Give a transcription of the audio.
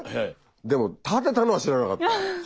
でも建てたのは知らなかった。